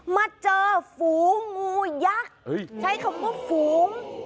มาเจอฝูงงูยักษ์ใช้คำว่าฝูง